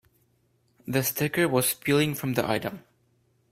The sticker was peeling from the item.